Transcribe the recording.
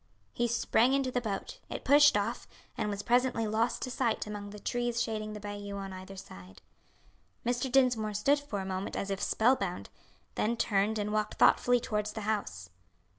He sprang into the boat; it pushed off, and was presently lost to sight among the trees shading the bayou on either hand. Mr. Dinsmore stood for a moment as if spellbound; then turned and walked thoughtfully towards the house.